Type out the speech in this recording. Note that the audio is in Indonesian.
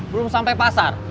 belum sampai pasar